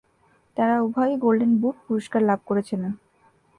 তারা উভয়েই golden boot পুরস্কার লাভ করেছিলেন।